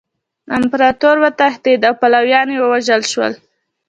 امپراطور وتښتید او پلویان یې ووژل شول.